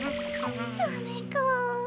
ダメか。